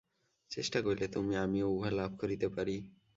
চেষ্টা করিলে তুমি-আমিও উহা লাভ করিতে পারি।